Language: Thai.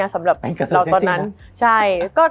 มันทำให้ชีวิตผู้มันไปไม่รอด